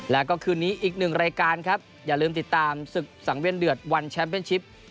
แล้วก็คืนนี้อีกหนึ่งรายการครับอย่าลืมติดตามศึกสังเวียนเดือดวันแชมป์เป็นชิป